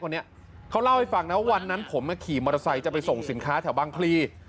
เขาเล่าให้ฟังนะว่าวันนั้นผมขี่มทรายจะไปส่งสินค้าแถวบางพรี